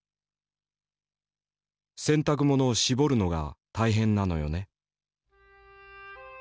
「洗濯物を絞るのが大変なのよね」。